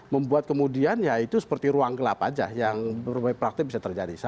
membuat kemudian ya itu seperti ruang gelap aja yang praktik bisa terjadi